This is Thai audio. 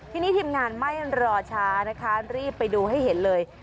ทีนี้ทีมงานไม่รอช้านะคะรีบไปดูให้เห็นเลย